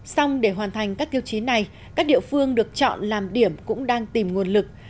xong để hoàn thành các tiêu chí này các địa phương được chọn làm điểm cũng đang tìm nguồn lực